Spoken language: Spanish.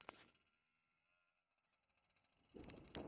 Nació en Arlington, Virginia, y fue criada en Nueva Orleans, Luisiana.